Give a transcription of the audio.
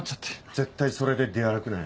絶対それで出歩くなよ。